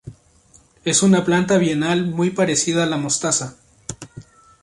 Es una planta bienal muy parecida a la mostaza.